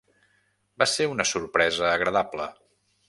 Va ser una sorpresa agradable.